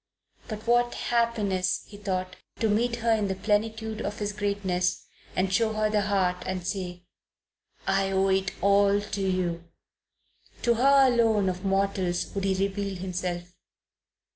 But what happiness, he thought, to meet her in the plenitude of his greatness and show her the heart, and say, "I owe it all to you!" To her alone of mortals would he reveal himself.